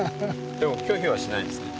でも拒否はしないんですね。